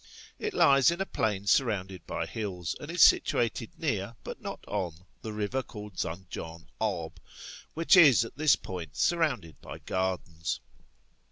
It lies in a plain surrounded by hills, and is situated near, but not on, the river called Zanjan ab, which is at this point surrounded by gardens.